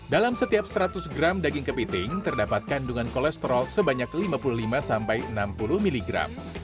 dalam setiap seratus gram daging kepiting terdapat kandungan kolesterol sebanyak lima puluh lima sampai enam puluh mg